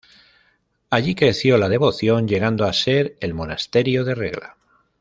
Allí creció la devoción, llegando a ser el monasterio de Regla.